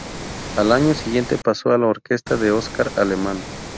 Al año siguiente pasó a la orquesta de Oscar Alemán.